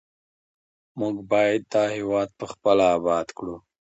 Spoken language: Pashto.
موږ به دا هېواد پخپله اباد کړو.